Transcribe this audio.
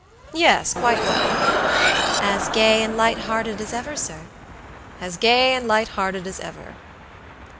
"Yes, quite well." "As gay and light hearted as ever, sir?" "As gay and light hearted as ever."